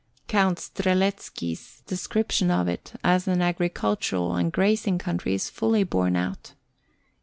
Count Strzelecki's description of it as an agricultural and grazing country is fully borne out.